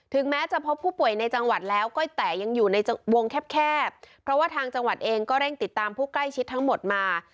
แม้จะพบผู้ป่วยในจังหวัดแล้วก็แต่ยังอยู่ในวงแคบเพราะว่าทางจังหวัดเองก็เร่งติดตามผู้ใกล้ชิดทั้งหมดมา